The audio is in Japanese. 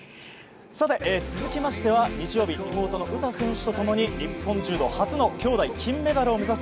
続きましては日曜日妹の詩選手とともに日本柔道初の兄妹金メダルを目指す